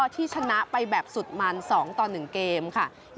ที่ชนะไปแบบสุดมัน๒ต่อ๑เกมค่ะ